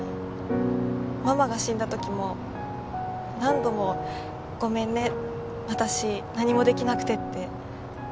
ママが死んだ時も何度も「ごめんね私何もできなくて」って一緒に泣いてくれて。